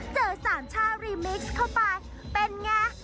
เจอสามช่ารีมิกซ์เข้าไปเป็นไง